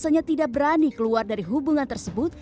karena tidak berani keluar dari hubungan tersebut